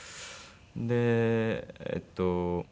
でえっと。